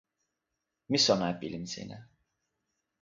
mi sona e pilin sina.